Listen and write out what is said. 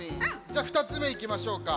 じゃあ２つめいきましょうか。